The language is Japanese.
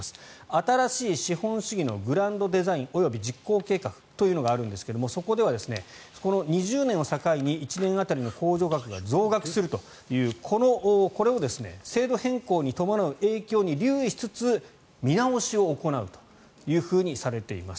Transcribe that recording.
新しい資本主義のグランドデザイン及び実行計画というのがあるんですがそこではこの２０年を境に１年当たりの控除額が増額するというこれを制度変更に伴う影響に留意しつつ見直しを行うというふうにされています。